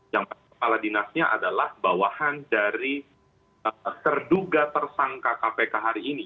yang kepala dinasnya adalah bawahan dari terduga tersangka kpk hari ini